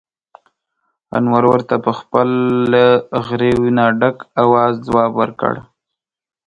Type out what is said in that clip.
انور ورته په خپل له غريو نه ډک اواز ځواب ور کړ: